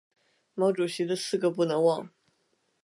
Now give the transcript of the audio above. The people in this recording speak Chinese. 毛主席的四个不能忘！